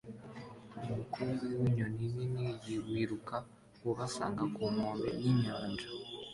umukumbi winyoni nini yiruka ubasanga ku nkombe yinyanja